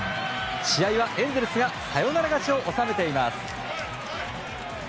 試合はエンゼルスがサヨナラ勝ちを収めています。